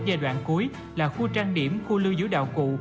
giai đoạn cuối là khu trang điểm khu lưu giữ đạo cụ